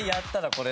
これ。